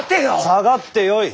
下がってよい！